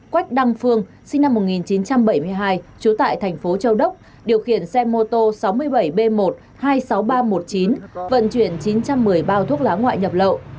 quách đăng phương sinh năm một nghìn chín trăm bảy mươi hai trú tại thành phố châu đốc điều khiển xe mô tô sáu mươi bảy b một hai mươi sáu nghìn ba trăm một mươi chín vận chuyển chín trăm một mươi bao thuốc lá ngoại nhập lậu